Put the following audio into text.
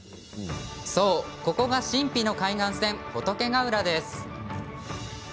そう、ここが神秘の海岸線仏ヶ浦です。